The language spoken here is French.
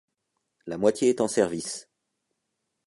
La moitié est en service.